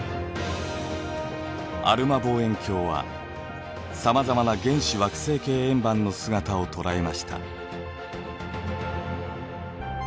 アルマ望遠鏡はさまざまな原始惑星系円盤の姿を捉えました。